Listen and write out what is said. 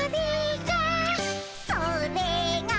「それが」